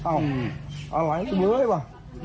อ้าวอะไรเว้ยวะ